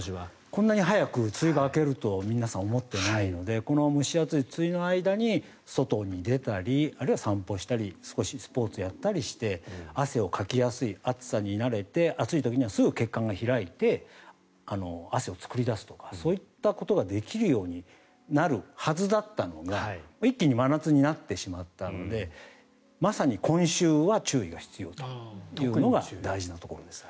こんなに早く梅雨が明けると皆さん思っていないので蒸し暑い梅雨の間に外に出たりあるいは散歩したり少しスポーツをやったりして汗をかきやすい暑さに慣れて暑い時にはすぐに血管が開いて汗を作り出すとかそういったことができるようになるはずだったのが一気に真夏になってしまったのでまさに今週は注意が必要というのが大事なところです。